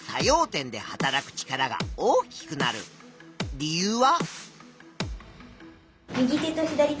理由は？